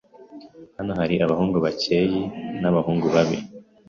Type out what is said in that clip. Hano hari abahungu bakeyi b'abahungu babi.